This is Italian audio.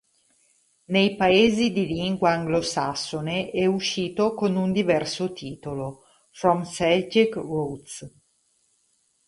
Nei paesi di lingua anglosassone è uscito con un diverso titolo: From Celtic Roots.